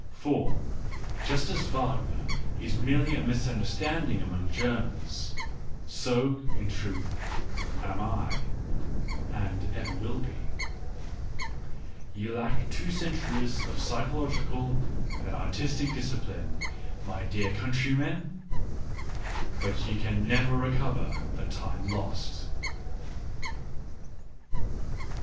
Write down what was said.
For, just as Wagner is merely a misunderstanding among Germans, so, in truth, am I, and ever wiH ,be. Ye lack two centuries of psychological and artistic discipline, my Digitized by Google WHY I AM SO CLEVER 45 dear countrymen !... But ye can never recover the time lost.